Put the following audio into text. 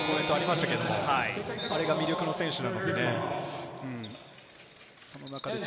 あれが魅力の選手なので。